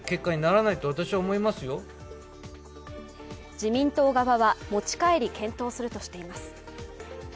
自民党側は持ち帰り検討するとしています。